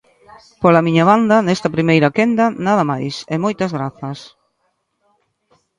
Pola miña banda, nesta primeira quenda, nada máis, e moitas grazas.